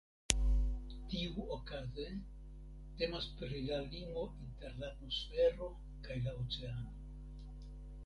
Tiuokaze temas pri la limo inter la atmosfero kaj la oceano.